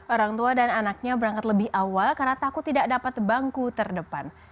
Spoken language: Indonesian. orang tua dan anaknya berangkat lebih awal karena takut tidak dapat bangku terdepan